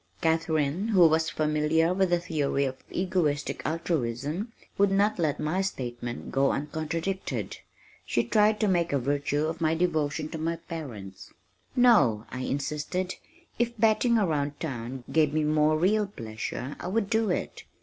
Katharine who was familiar with the theory of Egoistic Altruism would not let my statement go uncontradicted. She tried to make a virtue of my devotion to my parents. "No," I insisted, "if batting around town gave me more real pleasure I would do it.